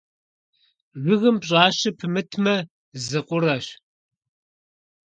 Жыгым пщӀащэ пымытмэ, зы къурэщ.